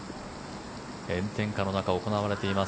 炎天下の中行われています。